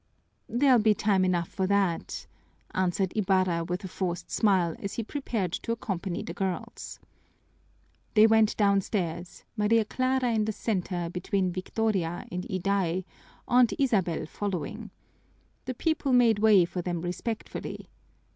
"There'll be time enough for that," answered Ibarra with a forced smile, as he prepared to accompany the girls. They went downstairs, Maria Clara in the center between Victoria and Iday, Aunt Isabel following. The people made way for them respectfully.